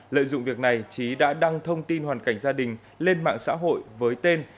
lợi dụng việc này trí đã đăng thông tin hoàn cảnh gia đình lên mạng xã hội với tên